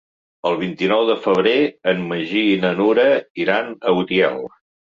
El vint-i-nou de febrer en Magí i na Nura iran a Utiel.